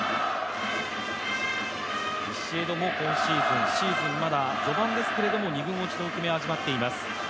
ビシエドも今シーズンシーズンまだ序盤ですけど２軍落ちを味わっています。